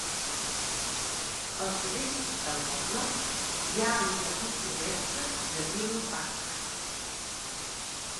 Al sud-est del poble hi ha el jardí silvestre de Beale Park.